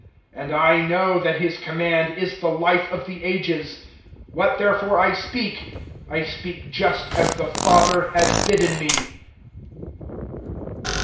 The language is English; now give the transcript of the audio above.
012:050 And I know that His command is the Life of the Ages. What therefore I speak, I speak just as the Father has bidden me."